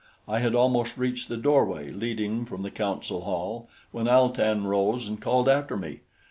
I had almost reached the doorway leading from the council hall when Al tan rose and called after me.